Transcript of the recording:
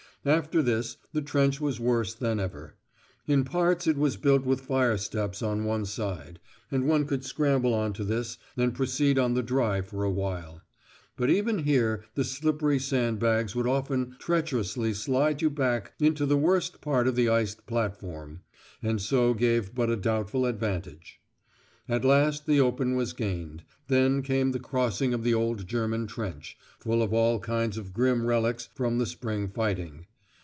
After this, the trench was worse than ever; in parts it was built with fire steps on one side, and one could scramble on to this and proceed on the dry for awhile; but even here the slippery sand bags would often treacherously slide you back into the worst part of the iced platform, and so gave but a doubtful advantage. At last the open was gained; then came the crossing of the old German trench, full of all kinds of grim relics from the spring fighting.